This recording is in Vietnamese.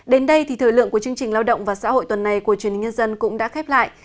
đến đây thì thời lượng của chương trình lao động và xã hội tuần này của truyền hình nhân dân cũng đã khép lại